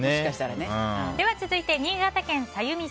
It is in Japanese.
続いて新潟県の方。